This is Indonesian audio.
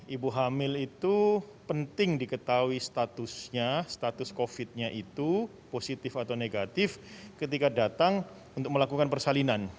ibu hamil itu penting diketahui statusnya status covid nya itu positif atau negatif ketika datang untuk melakukan persalinan